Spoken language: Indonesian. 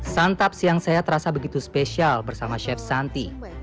santaps yang saya terasa begitu spesial bersama chef santi